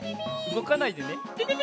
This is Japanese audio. うごかないでね。